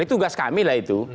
itu tugas kami lah itu